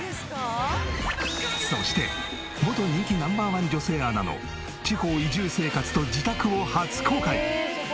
そして元人気Ｎｏ．１女性アナの地方移住生活と自宅を初公開。